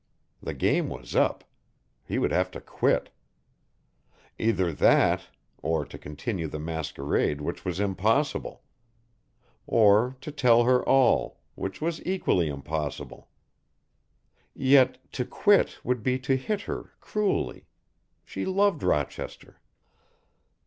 The game was up, he would have to quit. Either that, or to continue the masquerade which was impossible; or to tell her all, which was equally impossible. Yet to quit would be to hit her cruelly. She loved Rochester.